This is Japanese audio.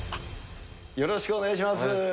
よろしくお願いします。